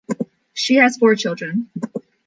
She has four children.